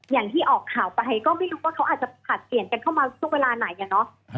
อย่างที่ออกข่าวไปก็ไม่รู้ว่าเขาอาจจะผลัดเปลี่ยนกันเข้ามาช่วงเวลาไหนอะเนาะ